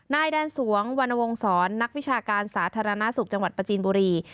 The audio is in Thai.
นายแดนสวงวรรณวงศรนักวิชาการสาธารณสุขจังหวัดประจีนบุรี